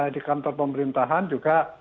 di kantor pemerintahan juga